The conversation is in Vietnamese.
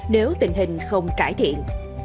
nếu tình hình không cải thiện